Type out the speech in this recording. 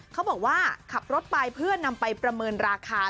เขาบอกว่าขับรถไปเพื่อนำไปประเมินราคา